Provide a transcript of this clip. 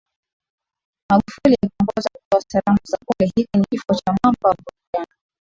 Magufuli akiongoza kutoa salamu za pole Hiki ni kifo cha mwamba wa burudani